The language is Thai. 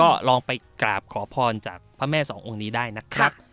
ก็ลองไปกราบขอพรจากพระแม่สององค์นี้ได้นะครับ